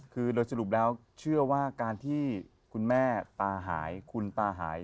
คือโดยสรุปแล้วเชื่อว่าการที่คุณแม่ตาหายคุณตาหาย